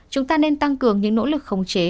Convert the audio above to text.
chúng ta nên tăng cường những nỗ lực khống chế